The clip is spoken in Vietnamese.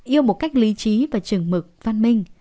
yêu một cách lý trí và trường mực văn minh